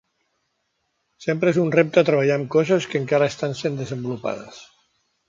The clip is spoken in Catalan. Sempre és un repte treballar amb coses que encara estan sent desenvolupades.